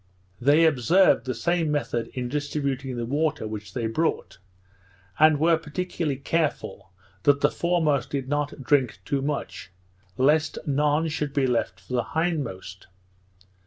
They observed the same method in distributing the water which they brought; and were particularly careful that the foremost did not drink too much, lest none should be left for the hindmost.